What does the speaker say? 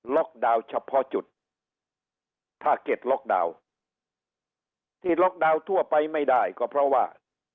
ดาวน์เฉพาะจุดถ้าเก็ตล็อกดาวน์ที่ล็อกดาวน์ทั่วไปไม่ได้ก็เพราะว่า